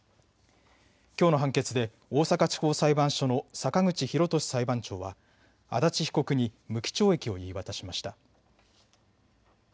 きょうの判決で大阪地方裁判所の坂口裕俊裁判長は足立被告に無期懲役を言い渡しました。